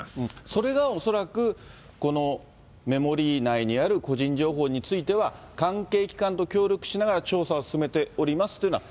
それが恐らく、このメモリ内にある個人情報については、関係機関と協力しながら調査を進めておりますというのは、